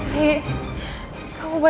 demi persahabatan kita